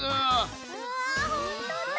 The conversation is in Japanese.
うわほんとうだ！